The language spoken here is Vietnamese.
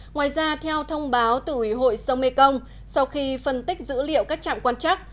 ngoài ra theo thông báo từ hội sông mê công sau khi phân tích dữ liệu các trạm quan chắc